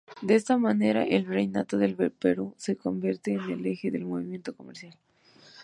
De esta manera, el "Virreinato del Perú" se convierte en eje del movimiento comercial.